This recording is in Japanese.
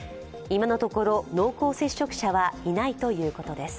今のところ濃厚接触者はいないということです。